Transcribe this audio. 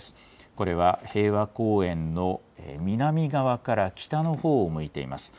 これは平和公園の南側から北の方を向いています。